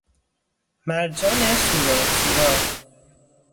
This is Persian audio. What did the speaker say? مرجان سوراخ سوراخ